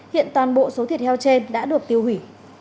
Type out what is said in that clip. hiện toàn bộ số thịt heo trên đã được tiêu hủy